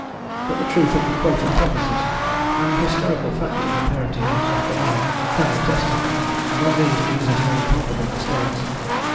But the truth of the quoted prophecies, and the historical fact of the parentage of Zachariah, can be tested, and on these Jesus made palpable mistakes.